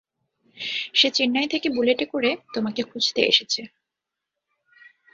সে চেন্নাই থেকে বুলেটে করে তোমাকে খুঁজতে এসেছে।